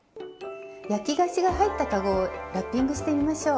焼き菓子が入った籠をラッピングしてみましょう！